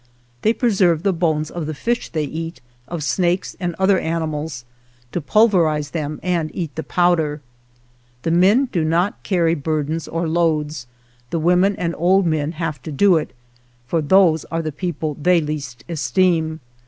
They preserve the bones of the fish they eat, of snakes and other animals, to pulverize them and eat the powder. The men do not carry burdens or loads, the women and old men have to do it, for those are the people they least esteem.